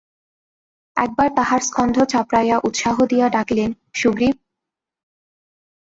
একবার তাহার স্কন্ধ চাপড়াইয়া উৎসাহ দিয়া ডাকিলেন, সুগ্রীব।